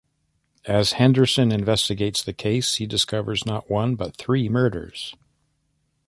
As Henderson investigates the case, he discovers not one but three murders.